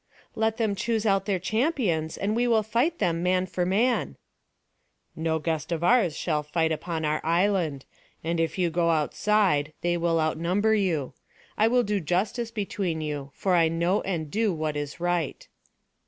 "Let them choose out their champions, and we will fight them, man for man." "No guest of ours shall fight upon our island; and if you go outside, they will outnumber you. I will do justice between you; for I know and do what is right."